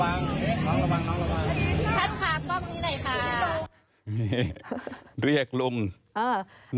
ลุงไข่รูปได้ไหมยังไม่เห็นเลย